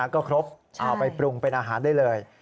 ก็ครบเอาไปปรุงเป็นอาหารได้เลย